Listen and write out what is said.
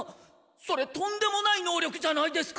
それとんでもない能力じゃないですか。